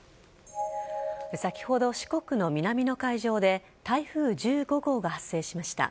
先ほど四国の南の海上で台風１５号が発生しました。